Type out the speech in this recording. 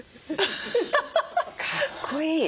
かっこいい。